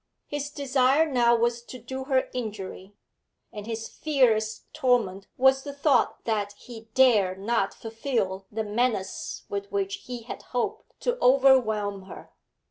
His desire now was to do her injury, and his fiercest torment was the thought that he dared not fulfil the menace with which he had hoped to overwhelm her.